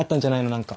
何か。